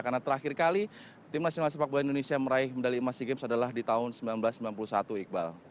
karena terakhir kali tim nasional sepak bola indonesia meraih medali emas sea games adalah di tahun seribu sembilan ratus sembilan puluh satu iqbal